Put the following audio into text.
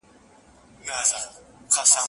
حوري او ښایسته غلمان ګوره چي لا څه کیږي